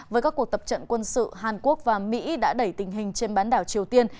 với các cuộc tập trận quân sự hàn quốc và mỹ đã đẩy tình hình trên bán đảo triều tiên